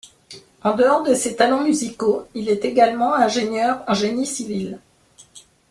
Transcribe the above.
En dehors de ses talents musicaux, il est également ingénieur en génie civil.